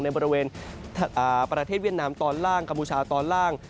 บริเวณประเทศเวียดนามตอนล่างกัมพูชาตอนล่าง